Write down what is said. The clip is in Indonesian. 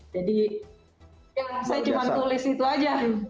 jadi saya cuma tulis itu aja